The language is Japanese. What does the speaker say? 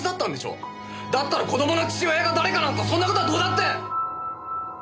だったら子供の父親が誰かなんてそんな事はどうだって！